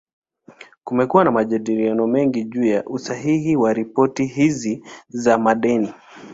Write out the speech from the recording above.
Kumekuwa na majadiliano mengi juu ya usahihi wa ripoti hizi za madeni.